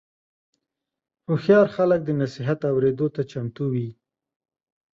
هوښیار خلک د نصیحت اورېدو ته چمتو وي.